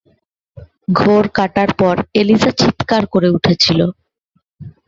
ঘোর কাটার পর, এলিজা চিৎকার করে উঠেছিল।